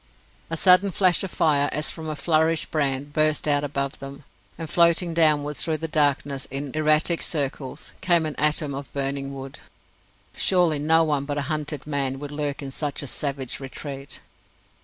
A sudden flash of fire, as from a flourished brand, burst out above them, and floating downwards through the darkness, in erratic circles, came an atom of burning wood. Surely no one but a hunted man would lurk in such a savage retreat.